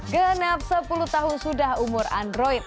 genap sepuluh tahun sudah umur android